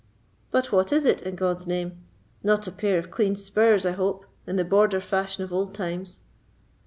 "But what is it, a God's name—not a pair of clean spurs, I hope, in the Border fashion of old times?"